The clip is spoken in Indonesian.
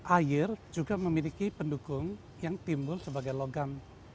air juga memiliki pendukung yang timbul sebagai logam